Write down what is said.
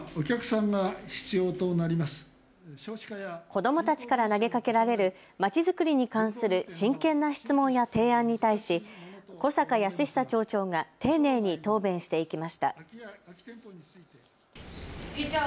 子どもたちから投げかけられるまちづくりに関する真剣な質問や提案に対し小坂泰久町長が丁寧に答弁していきました。